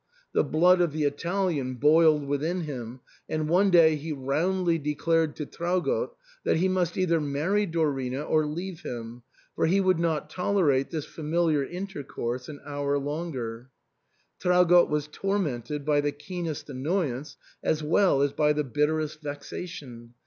The blood of the Italian boiled within him, and one day he roundly declared to Traugott that he must either marry Dorina or leave him, for he would not tolerate this familiar intercourse an hour longer. Traugott was tormented by the keenest annoyance as well as by the bitterest vexation.